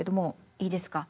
いいですか？